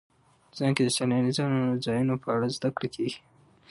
افغانستان کې د سیلاني ځایونو په اړه زده کړه کېږي.